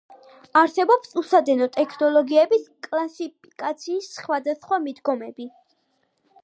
არსებობს უსადენო ტექნოლოგიების კლასიფიკაციის სხვადასხვა მიდგომები.